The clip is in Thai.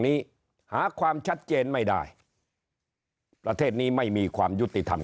นี้หาความชัดเจนไม่ได้ประเทศนี้ไม่มีความยุติธรรม